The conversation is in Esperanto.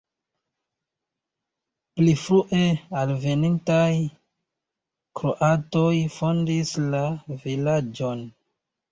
Pli frue alvenintaj kroatoj fondis la vilaĝon.